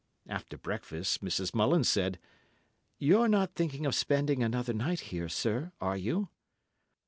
After breakfast, Mrs. Mullins said, "You're not thinking of spending another night here, sir, are you?"